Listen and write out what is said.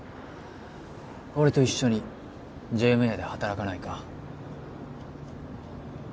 俺と一緒にＪＭＡで働かないか？